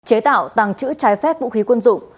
chế tạo tàng trữ trái phép vũ khí quân dụng